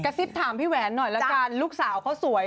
ซิบถามพี่แหวนหน่อยละกันลูกสาวเขาสวย